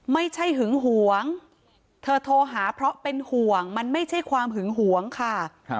หึงหวงเธอโทรหาเพราะเป็นห่วงมันไม่ใช่ความหึงหวงค่ะ